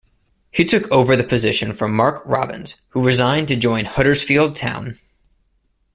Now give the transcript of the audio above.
He took over the position from Mark Robins, who resigned to join Huddersfield Town.